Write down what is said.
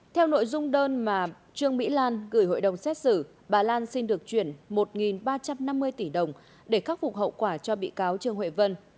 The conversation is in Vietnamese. theo nội dung đơn mà trương mỹ lan gửi hội đồng xét xử bà lan xin được chuyển một ba trăm năm mươi tỷ đồng để khắc phục hậu quả cho bị cáo trương huệ vân